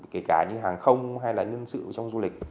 kể cả như hàng không hay là nhân sự trong du lịch